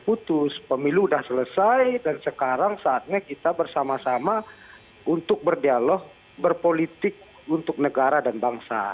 putus pemilu sudah selesai dan sekarang saatnya kita bersama sama untuk berdialog berpolitik untuk negara dan bangsa